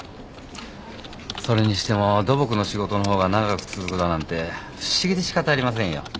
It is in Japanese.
それにしても土木の仕事の方が長く続くだなんて不思議でしかたありませんよ。